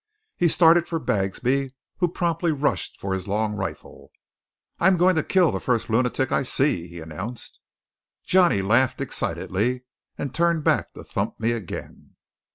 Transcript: He started for Bagsby, who promptly rushed for his long rifle. "I'm going to kill the first lunatic I see," he announced. Johnny laughed excitedly, and turned back to thump me again.